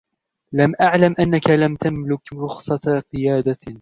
لَم أعلَم أنَّكَ لَمْ تَملُك رُخصةَ قِيادةٍ